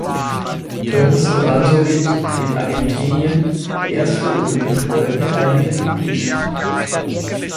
Turnes gewann somit mit Argentinien die erste olympische Goldmedaille im Beachhandball.